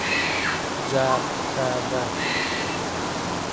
جرح کردن